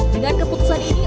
dengan keputusan ini